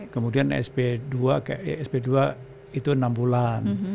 kemudian sp dua itu enam bulan